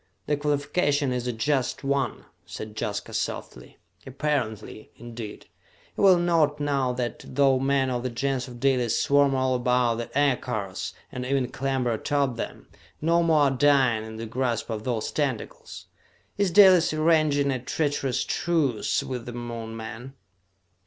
"The qualification is a just one," said Jaska softly. "'Apparently,' indeed! You will note now that, though men of the Gens of Dalis swarm all about the aircars, and even clamber atop them, no more are dying in the grasp of those tentacles? Is Dalis arranging a treacherous truce with the Moon men?"